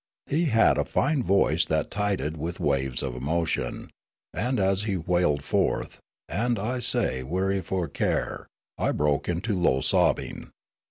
He had a fine voice that tided with waves of emotion ; and as he wailed forth, " And I sae weary, fu' o' care," I broke into low sobbing.